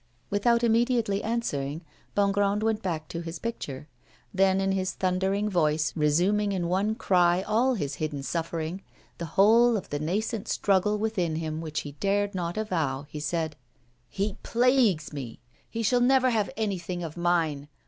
Without immediately answering, Bongrand went back to his picture. Then, in his thundering voice, resuming in one cry all his hidden suffering, the whole of the nascent struggle within him which he dared not avow, he said: 'He plagues me. He shall never have anything of mine!